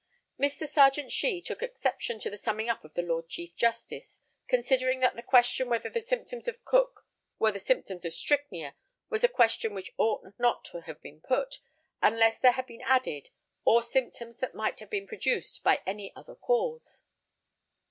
Mr. Serjeant SHEE took exception to the summing up of the Lord Chief Justice, considering that the question whether the symptoms of Cook were the symptoms of strychnia was a question which ought not to have been put, unless there had been added, or symptoms that might have been produced by any other cause.